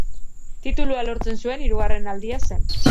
Titulua lortzen zuen hirugarren aldia zen.